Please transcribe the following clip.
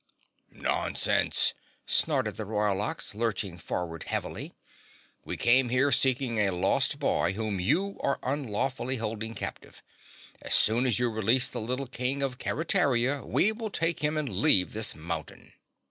"Nonsense," snorted the Royal Ox, lurching forward heavily. "We came here seeking a lost boy whom you are unlawfully holding captive. As soon as you release the little King of Keretaria, we will take him and leave this mountain!"